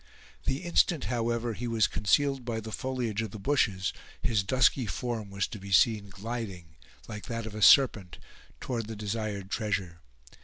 The instant, however, he was concealed by the foliage of the bushes, his dusky form was to be seen gliding, like that of a serpent, toward the desired treasure.